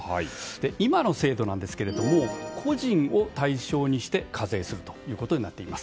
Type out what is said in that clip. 今の制度なんですが個人を対象にして課税するということになっています。